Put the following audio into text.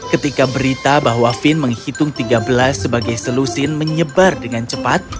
ketika berita bahwa fin menghitung tiga belas sebagai selusin menyebar dengan cepat